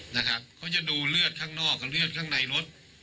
นะครับเขาจะดูเลือดข้างนอกกับเลือดข้างในรถ